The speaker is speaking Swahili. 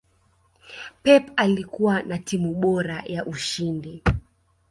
pep alikuwa na timu bora ya ushindi